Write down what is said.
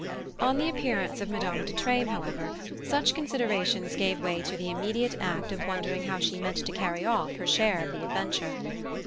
On the appearance of Madame de Treymes, however, such considerations gave way to the immediate act of wondering how she meant to carry off her share of the adventure.